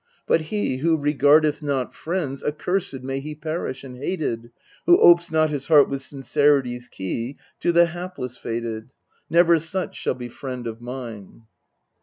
But he, who regardeth not friends, accursed may he perish, and hated, Who opes not his heart with sincerity's key to the hapless fated Never such shall be friend of mine